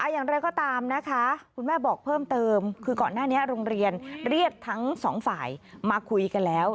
อย่างไรก็ตามนะคะคุณแม่บอกเพิ่มเติมคือก่อนหน้านี้โรงเรียนเรียกทั้งสองฝ่ายมาคุยกันแล้ว